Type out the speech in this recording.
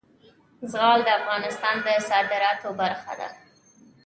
زغال د افغانستان د صادراتو برخه ده.